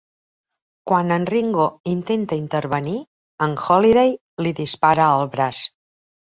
Quan en Ringo intenta intervenir, en Holliday li dispara al braç.